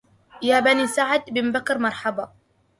يا بني سعد بن بكر مرحبا